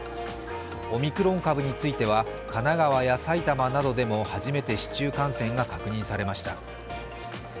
オミクロン株については、神奈川や埼玉などでも初めて市中感染が確認されました。